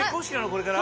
これから。